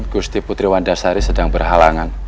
gusti putri wanda sari sedang berhalangan